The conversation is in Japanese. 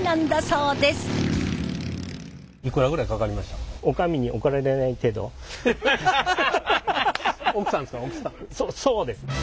そうですね。